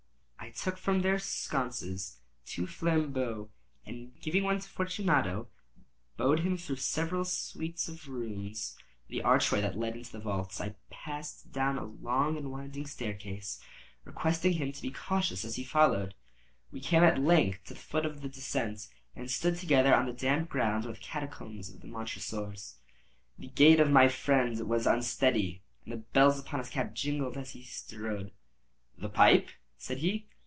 I took from their sconces two flambeaux, and giving one to Fortunato, bowed him through several suites of rooms to the archway that led into the vaults. I passed down a long and winding staircase, requesting him to be cautious as he followed. We came at length to the foot of the descent, and stood together on the damp ground of the catacombs of the Montresors. The gait of my friend was unsteady, and the bells upon his cap jingled as he strode. "The pipe," said he.